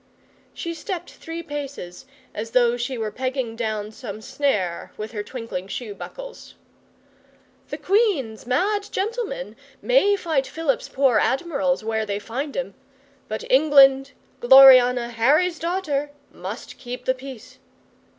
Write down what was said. She stepped three paces as though she were pegging down some snare with her twinkling shoe buckles. 'The Queen's mad gentlemen may fight Philip's poor admirals where they find 'em, but England, Gloriana, Harry's daughter, must keep the peace.